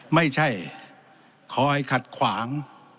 ไม่ใช่ขอให้ขัดขวาง